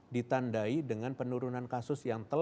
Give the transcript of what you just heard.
ditandai dengan penurunan kasus yang